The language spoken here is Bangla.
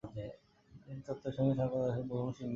এই তত্ত্বের সঙ্গে সাংখ্য দর্শনের বহুলাংশে মিল রয়েছে।